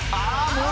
もう！